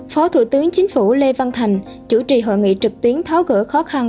phó thủ tướng chính phủ lê văn thành chủ trì hội nghị trực tuyến tháo gỡ khó khăn